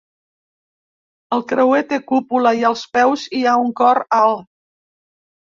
El creuer té cúpula i als peus hi ha un cor alt.